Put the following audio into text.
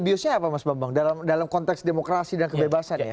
abuse nya apa mas bambang dalam konteks demokrasi dan kebebasan ya